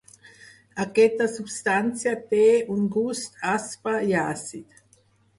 Aquesta substància té un gust aspre i àcid.